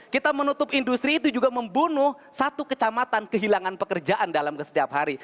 kita menutup industri itu juga membunuh satu kecamatan kehilangan pekerjaan dalam setiap hari